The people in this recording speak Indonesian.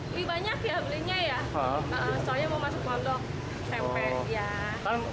lebih banyak ya belinya ya soalnya mau masuk kondok